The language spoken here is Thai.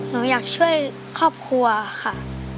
หนูอยากช่วยครอบครัวค่ะ